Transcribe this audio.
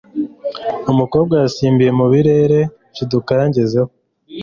umukobwa yasimbiye mubirere nshiduka yanjyezeho